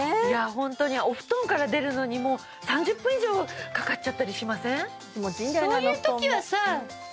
いやホントにお布団から出るのにもう３０分以上かかっちゃったりしません？